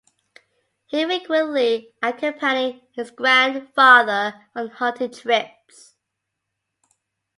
He frequently accompanied his grandfather on hunting trips.